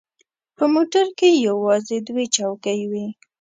په موټر کې یوازې دوې چوکۍ وې.